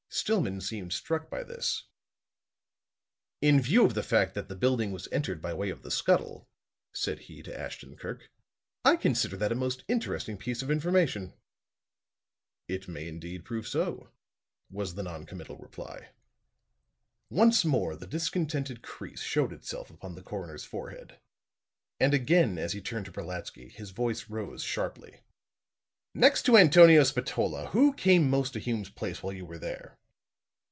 Stillman seemed struck by this. "In view of the fact that the building was entered by way of the scuttle," said he to Ashton Kirk, "I consider that a most interesting piece of information." "It may indeed prove so," was the non committal reply. Once more the discontented crease showed itself upon the coroner's forehead; and again as he turned to Brolatsky, his voice rose sharply. "Next to Antonio Spatola, who came most to Hume's place while you were there?"